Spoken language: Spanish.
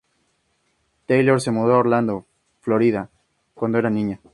Taylor se mudó a Orlando, Florida cuando era niña.